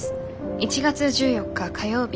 １月１４日火曜日